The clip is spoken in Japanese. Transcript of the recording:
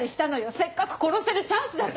せっかく殺せるチャンスだった。